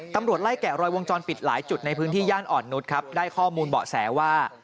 ตำรวจไล่แก่รอยวงจรปิดหลายจุดในพื้นอรณนุษย์ได้ข้อมูลบอกแทรกว่า